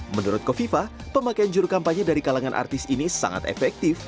menurut kofifa pemakaian juru kampanye dari kalangan artis ini sangat efektif